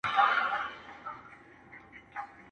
له يوه كال راهيسي.